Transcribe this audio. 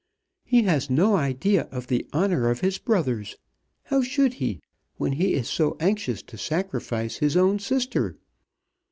He has no idea of the honour of his brothers. How should he, when he is so anxious to sacrifice his own sister?